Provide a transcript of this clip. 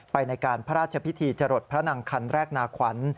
ในการพระราชพิธีจรดพระนางคันแรกนาขวัญ